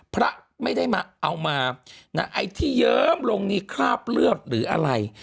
พระไม่ได้มาเอามาไอ้ที่เยิ้มลงนี่คราบเลือดหรืออะไร